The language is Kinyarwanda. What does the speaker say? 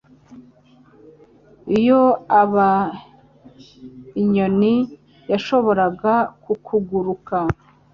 Iyo aba inyoni, yashoboraga kukuguruka.